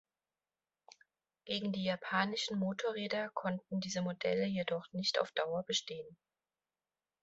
Gegen die japanischen Motorräder konnten diese Modelle jedoch nicht auf Dauer bestehen.